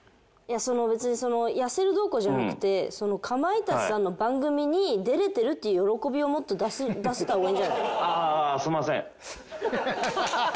別にその痩せるどうこうじゃなくてかまいたちさんの番組に出れてるっていう喜びをもっと出した方がいいんじゃない？